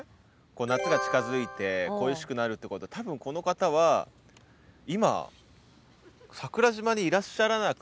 夏が近づいて恋しくなるってことは多分この方は今桜島にいらっしゃらなくて。